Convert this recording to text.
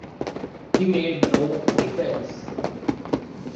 He made no defence.